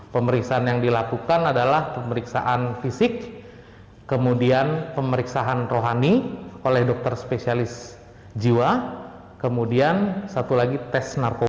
pemeriksaan yang dilakukan adalah pemeriksaan fisik kemudian pemeriksaan rohani oleh dokter spesialis jiwa kemudian satu lagi tes narkoba